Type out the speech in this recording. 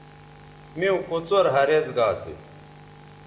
میوں کوڅر ھریز گا تھو